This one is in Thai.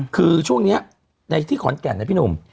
คือช่วงนี้ในที่ขอนแก่นนะพี่หนุ่ม